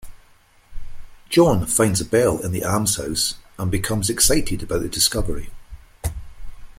Jon finds a bell in the Almshouse and becomes excited about the discovery.